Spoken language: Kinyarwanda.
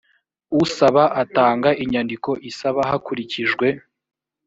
usaba atanga inyandiko isaba hakurikijwe